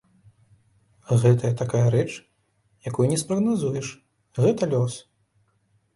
Гэтая такая рэч, якую не спрагназуеш, гэта лёс.